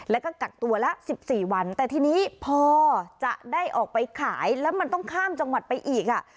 แล้วก็กักตัวละ๑๔วันแต่ทีนี้พอจะได้ออกไปขายแล้วมันต้องข้ามจังหวัดไปอีกอ่ะ